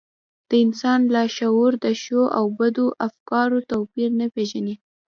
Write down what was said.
د انسان لاشعور د ښو او بدو افکارو توپير نه پېژني.